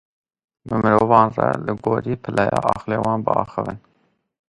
Bi mirovan re li gorî pileya aqilê wan biaxivin.